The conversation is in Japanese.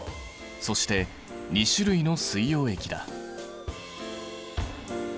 そして２種類の水溶液だ。